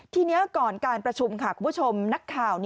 ทีนี้ก่อนการประชุมค่ะคุณผู้ชมนักข่าว